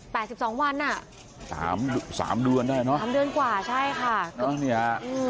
แปด๑๒วันอ่ะสามสามเดือนขาด่อยเนอะสามเดือนกว่าใช่ค่ะ